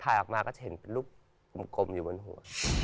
ถ่ายออกมาก็จะเห็นเป็นรูปอุ่มอยู่บนหัว